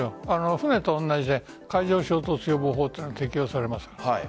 船と同じで海上衝突予防法が適用されます。